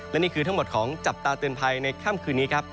และนี่คือทั้งหมดของจับตาเตือนภัยในค่ำคืนนี้ครับ